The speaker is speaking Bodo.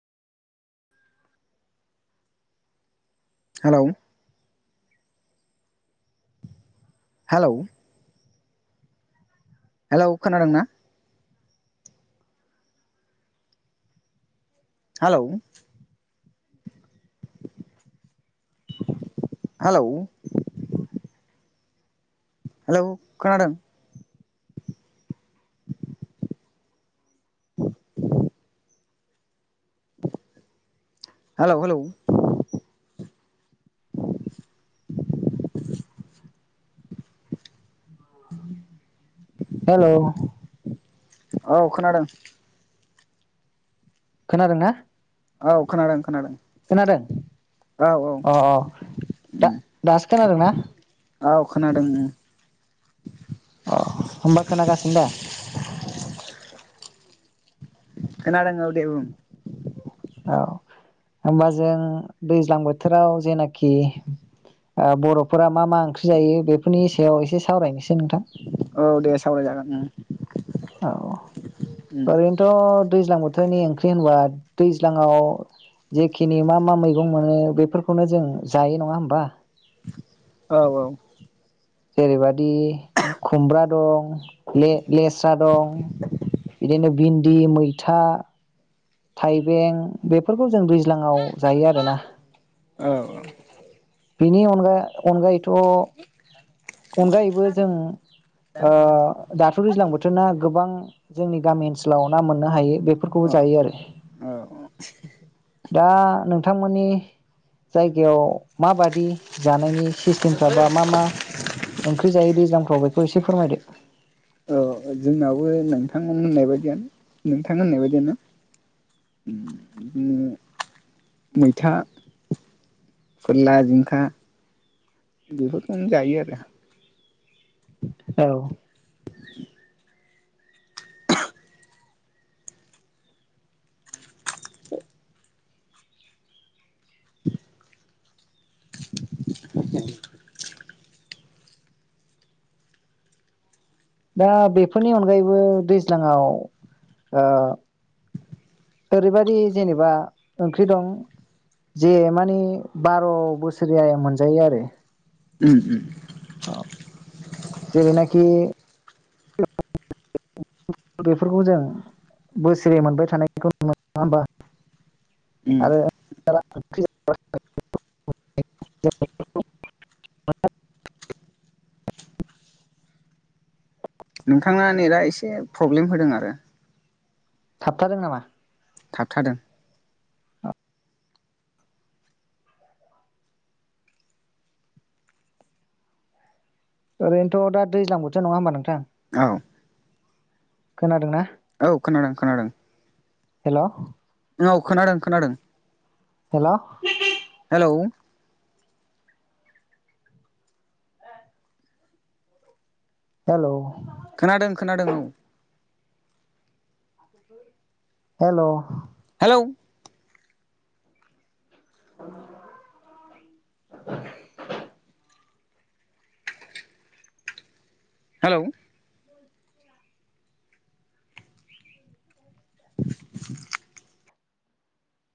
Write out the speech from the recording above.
हेलौ? हेलौ? हेलौ खोनादोंंना? हेलौ? हेलौ? हेलौ खोनादों। [inaudible] हेल' हेल'? हेल'? औ खोनादों। खोनादोंना? औ खोनादों खोनादों। खोनादों औ औ अह अह दा उम दासो खोनादों ना? औ खोनादों उम। अह होमबा खोनागासिनो दा? खोनादों औ दे बुं। औ होमबा जों दैज्लां बोथोराव जेनाखि ओ बर'फोरा मा मा ओंख्रि जायो बेफोरनि सायाव एसे सावरायनोसै नोंथां। औ दे सावरायजागोन उम। औ उम औरैनोथ' दैज्लां बोथोरनि ओंख्रि होनबा दैज्लाङाव जेखिनि मा मा मैगं मोनो बेफोरखौनो जों जायो नङा होमबा? औ औ। जेरैबा दि खुमब्रा दं ले-लेस्रा दं बिदिनो बिन दि, मैथा थाइबें बेफोरखौ जों दैज्लांआव जायो आरोना। औ बेनि अनगा अनगायैथ' थ' अनगायैबो जों ओ दाथ' दैज्लां बोथोरना गोबां जोंनि गामि ओनसोलाव ना मोननो हायो। बेफोरखौबो जायो आरो। ओ अह। दा नोंथांमोननि जायगायाव माबादि जानायनि सिस्टेमफ्रा बा मा-मा ओंख्रि जायो दैज्लां फ्राव बेखौ एसे फोरमायदो। [unintelligible] औ ओ जोंनाबो नोंथां होननाय बायदियानो-नोंथां होननाय बायदियानो बिदिनो मैथा फोरला जिंखा बेफोरखौनो जायो आरो। औ [inaudible] दा बेफोरनि अनगायैबो दैज्लांआव ओ ओरैबादि जेनेबा ओंख्रि दं जे मानि बार' बोसोरिया मोनजायो आरो। उम-उम। अह जेरैनाखि बेफोरखौ जों बोसोरै मोनबाय थानायखौ नुनो मोनो नङा होमबा। उम [inaudible] नोंथाङा नै दा एसे प्रब्लेम होदों आरो। थाबथादों नामा? थाबथादों ओरैनोथ' दा दैजां बोथो नङा होमबा नोंथां? औ। खोनादोंना? औ खोनादों खोनादों हेल' औ खोनादों-खोनादों। हेल' [inaudible] औ हेल'। खोनादों-खोनादों औ। हेल' औ। [inaudible] हेल' [inaudible]